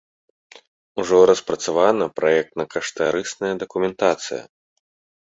Ужо распрацавана праектна-каштарысная дакументацыя.